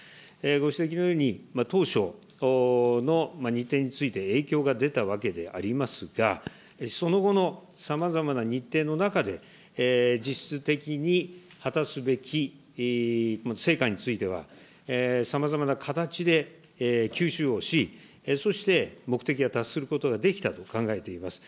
ご指摘のように、当初の日程について影響が出たわけでありますが、その後のさまざまな日程の中で、実質的に果たすべき成果については、さまざまな形で吸収をし、そして目的が達することができたと考えています。